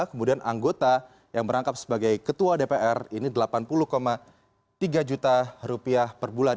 kemudian anggota yang merangkap sebagai ketua dpr ini delapan puluh tiga juta rupiah per bulan